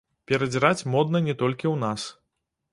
Перадзіраць модна не толькі ў нас.